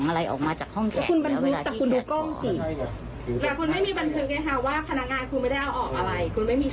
คุณหักล้างอะไรเราไม่ได้เลย